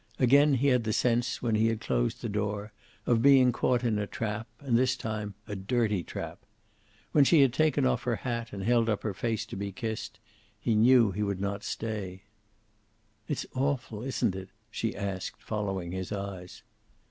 Again he had the sense, when he had closed the door, of being caught in a trap, and this time a dirty trap. When she had taken off her hat, and held up her face to be kissed, he knew he would not stay. "It's awful, isn't it?" she asked, following his eyes.